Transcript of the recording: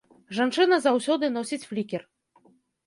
Жанчына заўсёды носіць флікер.